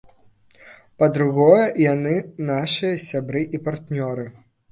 Па-другое, яны нашыя сябры і партнёры.